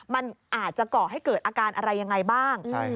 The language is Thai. มันอาจจะก่อให้เกิดอาการอะไรยังไงบ้าง